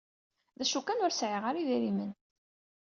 D acu kan, ur sɛiɣ ara idrimen.